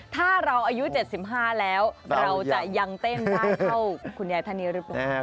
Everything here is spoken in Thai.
ถ้าเราอายุ๗๕แล้วเราจะยังเต้นได้เท่าคุณยายท่านนี้หรือเปล่า